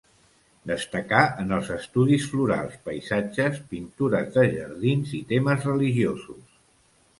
Destacà en els estudis florals, paisatges, pintures de jardins i temes religiosos.